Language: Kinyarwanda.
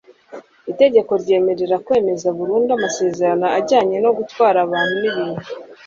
Itegeko ryemerera kwemeza burundu amasezerano ajyanye no gutwara abantu n ibintu